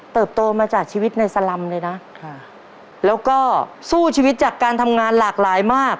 โตมาจากชีวิตในสลำเลยนะค่ะแล้วก็สู้ชีวิตจากการทำงานหลากหลายมาก